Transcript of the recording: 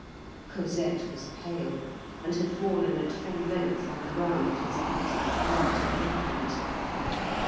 Cosette was pale, and had fallen at full length on the ground at his feet, without a movement.